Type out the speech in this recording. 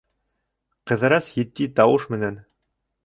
Ҡыҙырас етди тауыш менән: